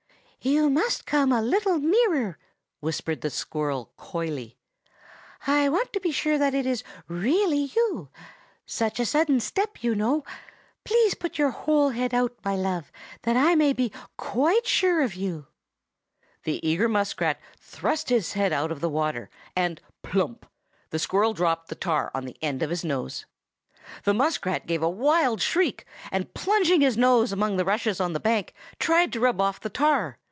"You must come a little nearer," whispered the squirrel coyly. "I want to be sure that it is really you; such a sudden step, you know! Please put your whole head out, my love, that I may be quite sure of you!" The eager muskrat thrust his head out of the water; and plump! the squirrel dropped the tar on the end of his nose. The muskrat gave a wild shriek, and plunging his nose among the rushes on the bank, tried to rub off the tar.